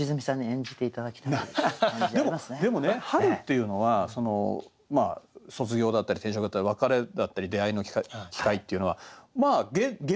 でもでもね春っていうのは卒業だったり転職だったり別れだったり出会いの機会っていうのはまあ現代じゃない？